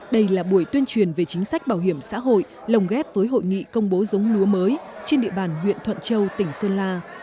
đây là buổi tuyên truyền về chính sách bảo hiểm xã hội lồng ghép với hội nghị công bố giống lúa mới trên địa bàn huyện thuận châu tỉnh sơn la